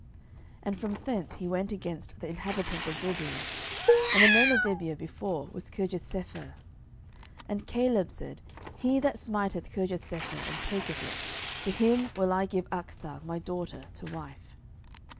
07:001:011 And from thence he went against the inhabitants of Debir: and the name of Debir before was Kirjathsepher: 07:001:012 And Caleb said, He that smiteth Kirjathsepher, and taketh it, to him will I give Achsah my daughter to wife.